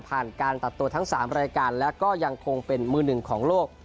การตัดตัวทั้ง๓รายการและก็ยังคงเป็นมือหนึ่งของโลก